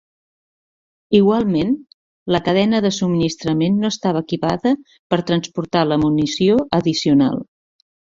Igualment, la cadena de subministrament no estava equipada per transportar la munició addicional.